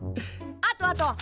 あとあと！